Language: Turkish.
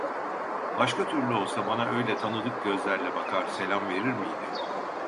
Başka türlü olsa bana öyle tanıdık gözlerle bakar, selam verir miydi?